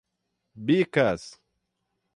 Bicas